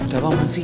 udah bang maaf sih